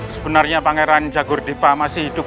sebenarnya pangeran jagur dipa masih hidup